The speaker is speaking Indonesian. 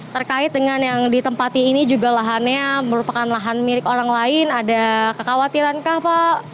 terkait dengan yang ditempati ini juga lahannya merupakan lahan milik orang lain ada kekhawatiran kah pak